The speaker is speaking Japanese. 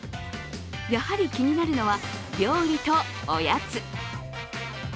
やはり気になるのは料理とおやつ。